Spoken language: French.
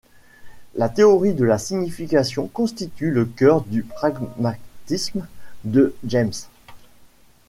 La théorie de la signification constitue le cœur du pragmatisme de James.